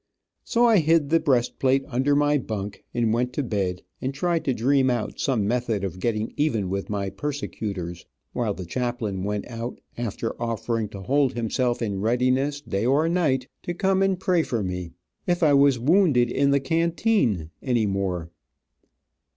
So I hid the breast plate under my bunk, and went to bed and tried to dream out some method of getting even with my persecutors, while the chaplain went out, after offering to hold himself in readiness, day or night, to come and pray for me, if I was wounded in the canteen any more.